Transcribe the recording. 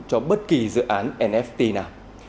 cho bất kỳ dự án nft nào